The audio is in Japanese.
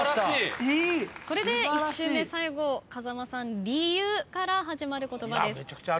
これで１周目最後風間さん「りゆ」から始まる言葉です。